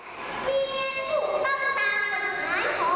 เบียนผูกต้องตามหายหอของเบียร์อาคารุ